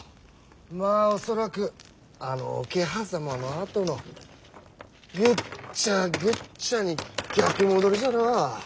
まあ恐らくあの桶狭間のあとのぐっちゃぐっちゃに逆戻りじゃなあ。